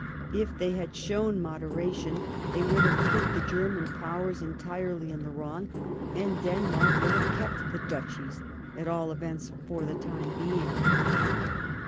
If they had shown moderation, they would have put the German Powers entirely in the wrong, and Denmark would have kept the Duchies, at all events, for the time being.